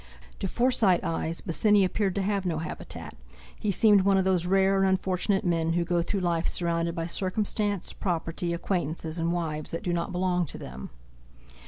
To Forsyte eyes Bosinney appeared to have no habitat, he seemed one of those rare and unfortunate men who go through life surrounded by circumstance, property, acquaintances, and wives that do not belong to them.